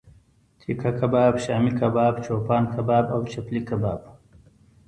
تیکه کباب، شامی کباب، چوپان کباب او چپلی کباب